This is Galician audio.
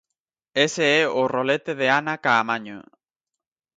Ese é o rolete de Ana Caamaño.